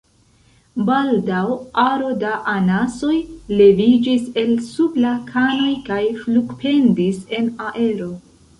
Baldaŭ aro da anasoj leviĝis el sub la kanoj kaj flugpendis en aero.